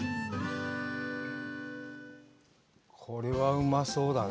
これはうまそうだね。